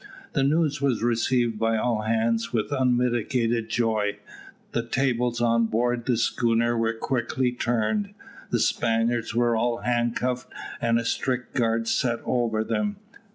The news was received by all hands with unmitigated joy. The tables on board the schooner were quickly turned. The Spaniards were all handcuffed, and a strict guard set over them.